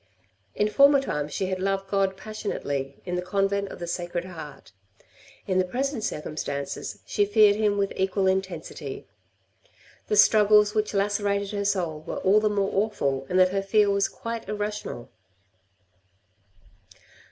In former times she had loved God passionately in the Convent of the Sacred Heart; in the present circumstances, she feared him with equal intensity. The struggles which lacerated her soul were all the more awful in that her fear was quite irrational.